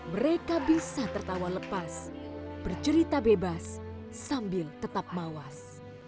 mereka bisa tertawa lepas bercerita bebas sambil tetap mawas